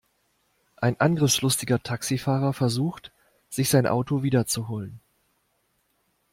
Ein angriffslustiger Taxifahrer versucht, sich sein Auto wiederzuholen.